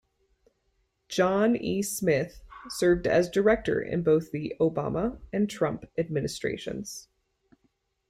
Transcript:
John E. Smith served as director in both the Obama and Trump administrations.